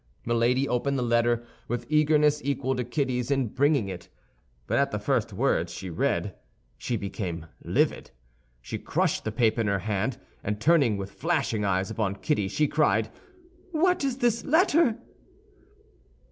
Milady opened the letter with eagerness equal to Kitty's in bringing it; but at the first words she read she became livid. She crushed the paper in her hand, and turning with flashing eyes upon Kitty, she cried, "What is this letter?"